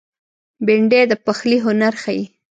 بېنډۍ د پخلي هنر ښيي